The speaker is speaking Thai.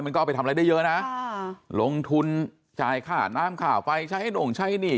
เอาไปทำอะไรได้เยอะนะลงทุนจ่ายค่าน้ำค่าไฟใช้หน่งใช้หนี้